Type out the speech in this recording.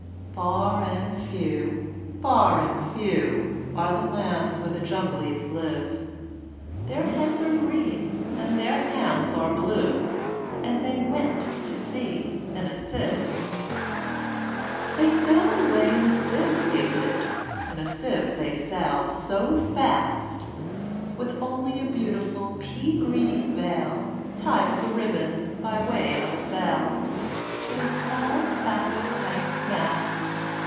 Far and few, far and few, Are the lands where the Jumblies live: Their heads are green, and their hands are blue And they went to sea in a sieve. II. They sailed away in a sieve, they did, In a sieve they sailed so fast, With only a beautiful pea green veil Tied with a ribbon, by way of a sail, To a small tobacco pipe mast.